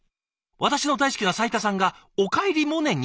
私の大好きな斉田さんがおかえりモネに！？